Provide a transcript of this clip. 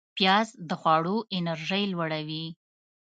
پیاز د خواړو انرژی لوړوي